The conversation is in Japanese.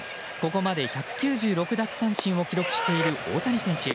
ここまで１９６奪三振を記録している大谷選手。